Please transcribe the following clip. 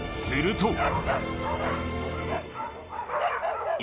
すると。